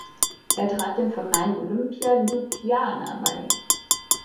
Er trat dem Verein Olimpija Ljubljana bei.